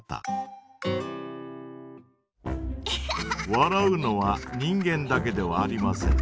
笑うのは人間だけではありません。